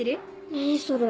何それ。